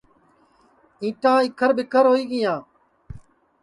اِنٹا اِکھر ٻیکھر ہوئی گیاں